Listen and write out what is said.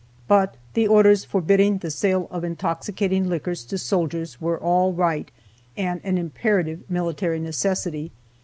But the orders forbidding the sale of intoxicating liquors to soldiers were all right, and an imperative military necessity.